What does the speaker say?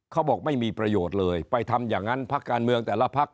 เขาบอกไม่มีประโยชน์เลยไปทำอย่างนั้นพักการเมืองแต่ละพัก